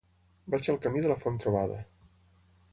Vaig al camí de la Font-trobada.